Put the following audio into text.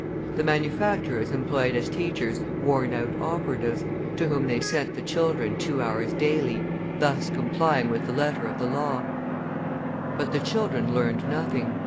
The manufacturers employed as teachers worn out operatives, to whom they sent the children two hours daily, thus complying with the letter of the law; but the children learned nothing.